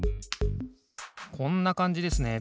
こんなかんじですね。